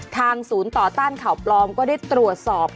ทางศูนย์ต่อต้านข่าวปลอมก็ได้ตรวจสอบ